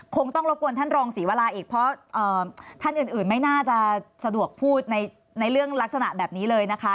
คงต้องรบกวนท่านรองศรีวราอีกเพราะท่านอื่นไม่น่าจะสะดวกพูดในเรื่องลักษณะแบบนี้เลยนะคะ